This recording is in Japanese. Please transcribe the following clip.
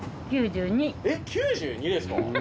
えっ９２ですか！？